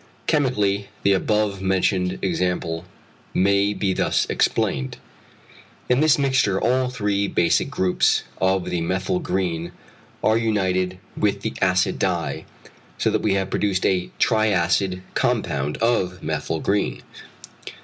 Chemically the above mentioned example may be thus explained; in this mixture all three basic groups of the methyl green are united with the acid dye, so that we have produced a triacid compound of methyl green.